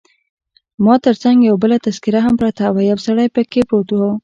ما تر څنګ یو بله تذکیره هم پرته وه، یو سړی پکښې پروت وو.